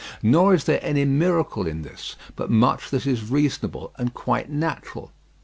Nor is there any miracle in this, but much that is reasonable and quite natural.